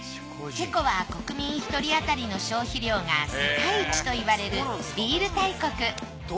チェコは国民一人あたりの消費量が世界一といわれるビール大国。